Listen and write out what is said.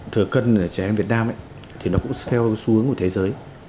thừa cân trẻ em việt nam cũng theo xu hướng của thế giới